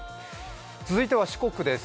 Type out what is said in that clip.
続いては四国です。